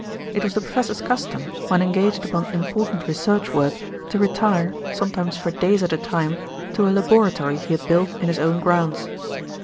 It was the professor's custom, when engaged upon important research work, to retire, sometimes for days at a time, to a laboratory he had built in his own grounds.